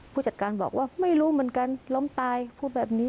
ผู้จัดการบอกว่าไม่รู้เหมือนกันล้มตายพูดแบบนี้